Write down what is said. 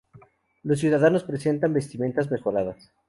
Los ciudadanos presentan vestimentas mejoradas.